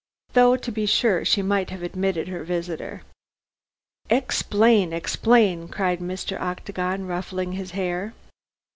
Though to be sure, she might have admitted her visitor." "Explain! explain," cried Mr. Octagon, ruffling his hair.